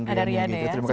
ada rian ya